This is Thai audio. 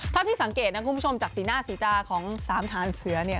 เท่าที่สังเกตนะคุณผู้ชมจากสีหน้าสีตาของสามฐานเสือเนี่ย